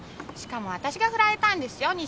しかも私が振られたんですよ